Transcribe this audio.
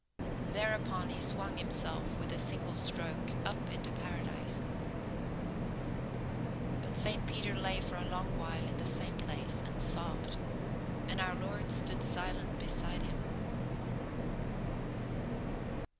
Thereupon he swung himself with a single stroke up into Paradise. But Saint Peter lay for a long while in the same place, and sobbed, and our Lord stood silent beside him.